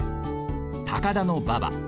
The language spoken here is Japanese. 「高田馬場」。